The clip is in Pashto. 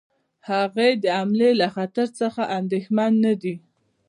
هغه د حملې له خطر څخه اندېښمن نه دی.